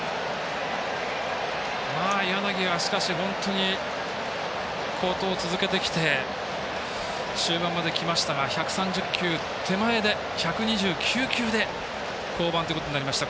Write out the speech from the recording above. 柳はしかし本当に好投を続けてきて終盤まできましたが１３０球手前で１２９球で降板となりました。